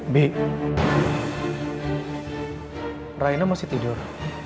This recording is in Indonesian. bi raina masih tidur